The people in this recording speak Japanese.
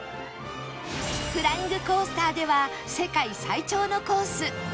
フライングコースターでは世界最長のコース